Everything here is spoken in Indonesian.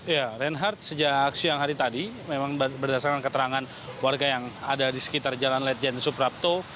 ya reinhardt sejak siang hari tadi memang berdasarkan keterangan warga yang ada di sekitar jalan lejen suprapto